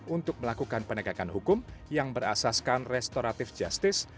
untuk melakukan penegakan hukum yang berasaskan restoratif justice